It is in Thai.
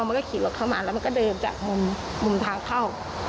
มันก็ขี่รถเข้ามาแล้วมันก็เดินจากมุมทางเข้า